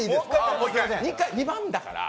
２番だから。